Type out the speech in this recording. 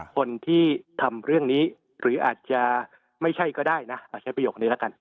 คนที่ทำเรื่องนี้หรืออาจจะไม่ใช่ก็ได้นะเอาใช้ประโยคนี้แล้วกัน